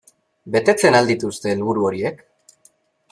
Betetzen al dituzte helburu horiek?